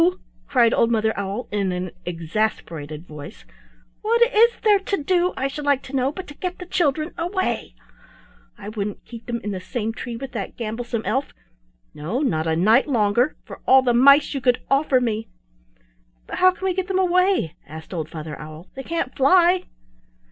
cried old Mother Owl in an exasperated voice; "what is there to do, I should like to know, but to get the children away? I wouldn't keep them in the same tree with that gamblesome elf —no, not a night longer —for all the mice you could offer me." "But how can we get them away?" asked old Father Owl. "They can't fly."